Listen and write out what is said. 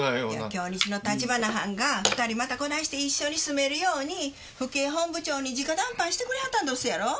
京日の橘はんが２人またこないして一緒に住めるように府警本部長に直談判してくれはったんどすやろ？